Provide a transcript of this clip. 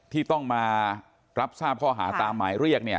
ที่ต้องมารับทราบข้อหาตามหมายเรียกเนี่ย